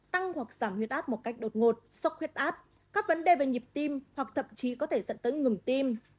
tăng hoặc giảm huyết áp một cách đột ngột sốc huyết áp các vấn đề về nhịp tim hoặc thậm chí có thể dẫn tới ngừng tim